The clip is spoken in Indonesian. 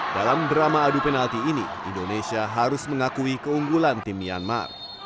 dalam drama adu penalti ini indonesia harus mengakui keunggulan tim myanmar